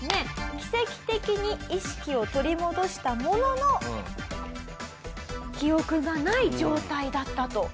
奇跡的に意識を取り戻したものの記憶がない状態だったという事なんですね。